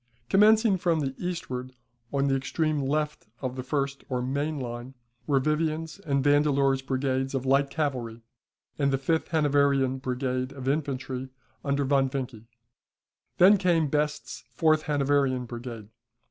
Commencing from the eastward, on the extreme left of the first or main line, were Vivian's and Vandeleur's brigades of light cavalry, and the fifth Hanoverian brigade of infantry, under Von Vincke. Then came Best's fourth Hanoverian brigade.